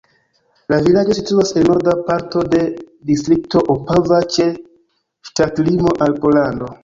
La vilaĝo situas en norda parto de distrikto Opava ĉe ŝtatlimo al Pollando.